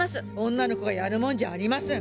女の子がやるもんじゃありません。